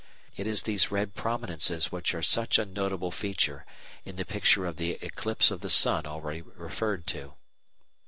It is these red "prominences" which are such a notable feature in the picture of the eclipse of the sun already referred to.